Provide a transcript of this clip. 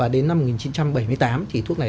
đến năm một nghìn chín trăm bảy mươi tám